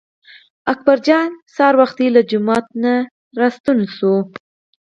اکبر جان سهار وختي له جومات نه راستون شو.